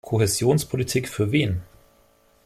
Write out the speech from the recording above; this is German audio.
Kohäsionspolitik für wen?